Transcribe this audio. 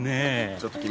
ちょっと君。